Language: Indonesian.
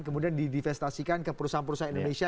kemudian di divestasikan ke perusahaan perusahaan indonesia